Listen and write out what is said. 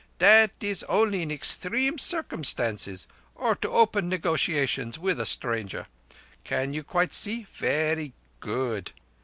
That is only in extreme instances, or to open negotiations with a stranger. Can you quite see? Verree good.